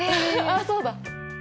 あっそうだ。